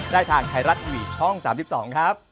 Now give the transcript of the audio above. ได้ทางไทยรัฐทีวีช่อง๓๒ครับ